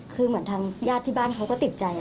คือเหมือนทางญาติที่บ้านเขาก็ติดใจ